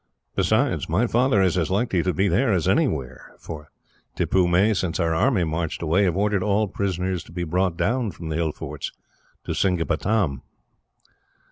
"Besides, my father is as likely to be there as anywhere, for Tippoo may, since our army marched away, have ordered all prisoners to be brought down from the hill forts to Seringapatam."